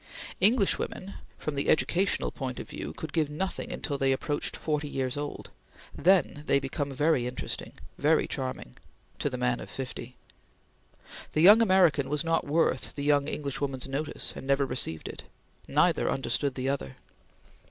Englishwomen, from the educational point of view, could give nothing until they approached forty years old. Then they become very interesting very charming to the man of fifty. The young American was not worth the young Englishwoman's notice, and never received it. Neither understood the other.